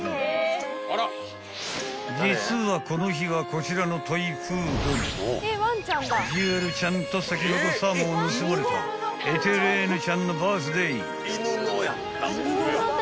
［こちらのトイプードルジュエルちゃんと先ほどサーモンを盗まれたエテレーヌちゃんのバースデー］